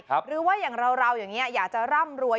หรือว่าอย่างเราอย่างนี้อยากจะร่ำรวย